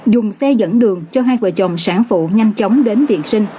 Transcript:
dùng xe dẫn đường cho hai vợ chồng sản phụ nhanh chóng đến viện sinh